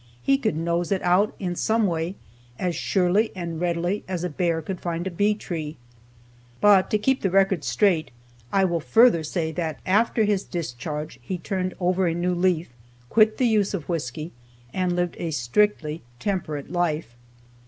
He could nose it out, in some way, as surely and readily as a bear could find a bee tree. But to keep the record straight, I will further say that after his discharge he turned over a new leaf, quit the use of whisky, and lived a strictly temperate life.